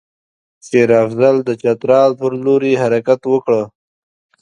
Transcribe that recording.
شېر افضل د چترال پر لوري حرکت وکړ.